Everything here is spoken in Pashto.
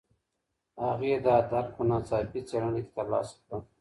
هغې دا درک په ناڅاپي څېړنه کې ترلاسه کړ.